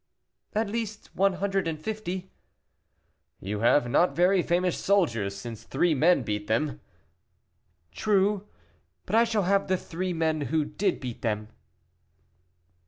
"At least one hundred and fifty." "You have not very famous soldiers, since three men beat them." "True, but I shall have the three men who did beat them."